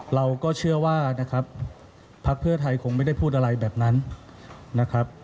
เราก็เชื่อว่านะครับพักเพื่อไทยคงไม่ได้พูดอะไรแบบนั้นนะครับ